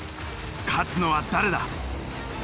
勝つのは誰だ。